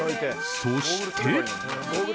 そして。